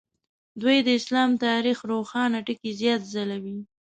دوی د اسلام تاریخ روښانه ټکي زیات ځلوي.